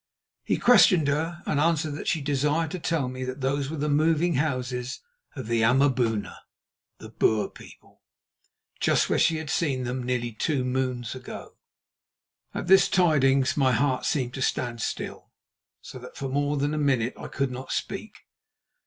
He questioned her, and answered that she desired to tell me that those were the moving houses of the Amaboona (the Boer people), just where she had seen them nearly two moons ago. At this tidings my heart seemed to stand still, so that for more than a minute I could not speak.